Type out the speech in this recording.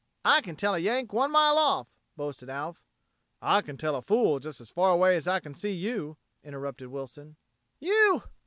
"I can tell a Yank one mile off," boasted Alf. "I can tell a fool just as far away as I can see you," interrupted Wilson. "You...."